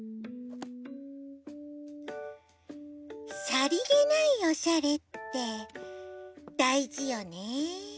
「さりげないおしゃれ」ってだいじよね。